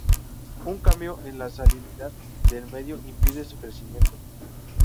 Un cambio en la salinidad del medio impide su crecimiento.